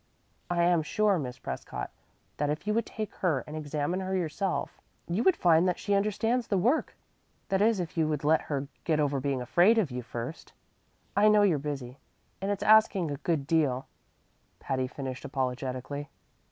I am sure, Miss Prescott, that if you would take her and examine her yourself, you would find that she understands the work that is, if you would let her get over being afraid of you first. I know you're busy, and it's asking a good deal," Patty finished apologetically.